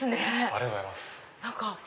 ありがとうございます。